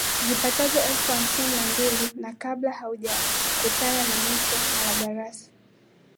zipatazo elfu hamsini na mbili na kabla haujakutana na mto Malagarasi